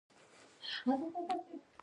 له یوه سر تر بل سر ډیر لرې دی.